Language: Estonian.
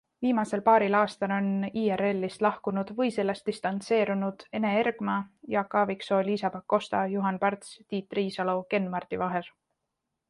Viimasel paaril aastal on IRList lahkunud või sellest distantseerunud Ene Ergma, Jaak Aaviksoo, Liisa Pakosta, Juhan Parts, Tiit Riisalo, Ken-Marti Vaher.